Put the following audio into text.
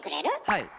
はい。